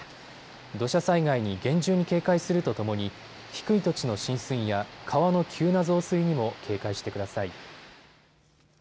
土砂災害に厳重に警戒するとともに低い土地の浸水や川の急な増水にも警戒してください。